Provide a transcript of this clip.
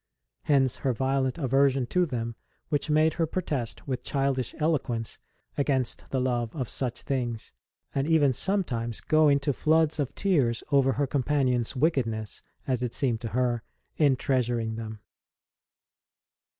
Hence her violent aversion to them, which made her protest with childish eloquence against the love of such things, and even sometimes go into floods of tears over her companions wickedness, as it seemed to her, in treasuring them.